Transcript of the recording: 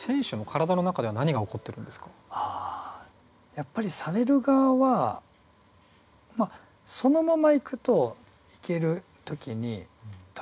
やっぱりされる側はそのままいくといける時に時々ですね